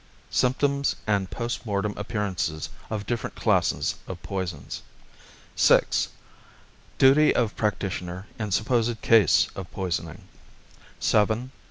Symptoms and Post Mortem Appearances of Different Classes of Poisons 86 VI. Duty of Practitioner in Supposed Case of Poisoning 89 VII.